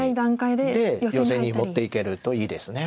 でヨセに持っていけるといいです。